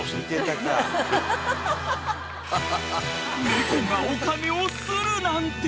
［猫がお金をするなんて］